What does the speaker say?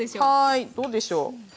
はいどうでしょう？